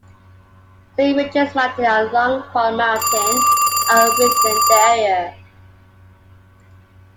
Saint Regis Mountain and Long Pond Mountain are within the area.